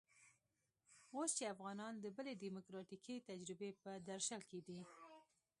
اوس چې افغانان د بلې ډيموکراتيکې تجربې په درشل کې دي.